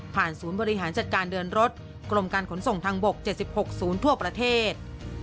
ศูนย์บริหารจัดการเดินรถกรมการขนส่งทางบก๗๖๐ทั่วประเทศ